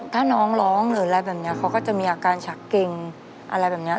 ถ้าน้องร้องหรืออะไรแบบนี้เขาก็จะมีอาการชักเกงอะไรแบบนี้